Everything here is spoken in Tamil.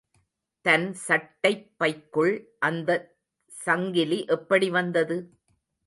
தன் சட்டைப் பைக்குள் அந்த சங்கிலி எப்படி வந்தது?